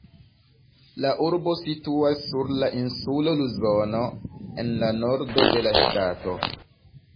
La urbo situas sur la insulo Luzono, en la nordo de la ŝtato.